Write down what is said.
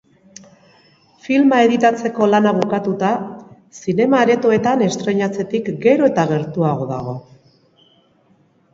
Filma editatzeko lana bukatuta, zinema-aretoetan estreinatzetik gero eta gertuago dago.